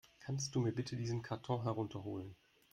Kannst du mir bitte diesen Karton herunter holen?